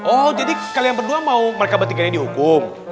oh jadi kalian berdua mau mereka bertingkahnya dihukum